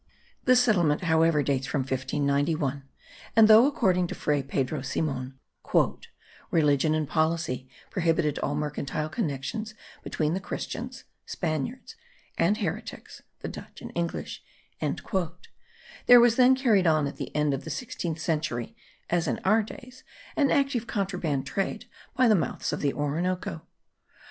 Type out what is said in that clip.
This settlement however dates from 1591; and though, according to Fray Pedro Simon, "religion and policy prohibited all mercantile connection between Christians [Spaniards] and Heretics [the Dutch and English]," there was then carried on at the end of the sixteenth century, as in our days, an active contraband trade by the mouths of the Orinoco.